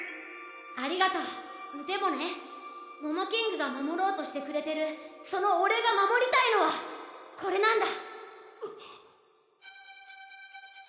ありがとうでもねモモキングが守ろうとしてくれてるその俺が守りたいのはこれなんだ。